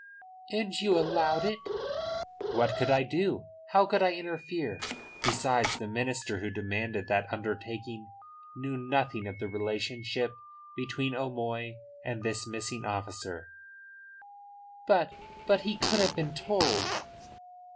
"And you allowed it?" "What could I do? How could I interfere? Besides, the minister who demanded that undertaking knew nothing of the relationship between O'Moy and this missing officer." "But but he could have been told."